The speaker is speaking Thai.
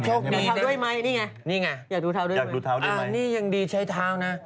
โอลี่คัมรี่ยากที่ใครจะตามทันโอลี่คัมรี่ยากที่ใครจะตามทัน